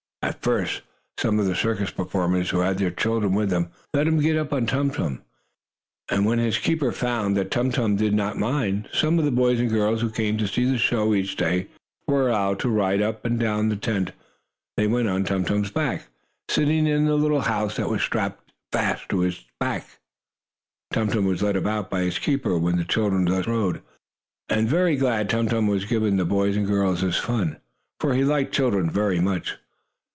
At first, some of the circus performers, who had their children with them, let them get up on Tum Tum, and then, when his keeper found that Tum Tum did not mind, some of the boys and girls who came to see the show each day were allowed to ride. Up and down the tent they went on Tum Tum's back, sitting in the little house that was strapped fast to him. Tum Tum was led about by his keeper when the children thus rode, and very glad Tum Tum was to give the boys and girls this fun, for he liked children very much.